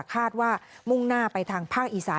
มุ่งหน้าไปทางภาคอีสาน